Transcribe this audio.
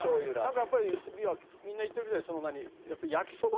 なんかやっぱりみんな言ってるみたいに。